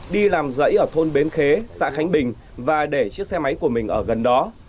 đi làm dãy ở thôn bến khế xã khánh bình và để chiếc xe máy của mình ở gần đó